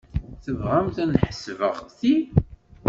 Tebɣamt ad ḥesbeɣ ti?